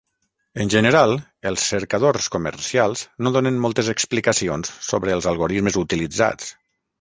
En general, els cercadors comercials no donen moltes explicacions sobre els algorismes utilitzats.